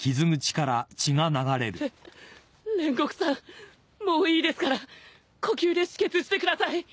れ煉獄さんもういいですから呼吸で止血してください。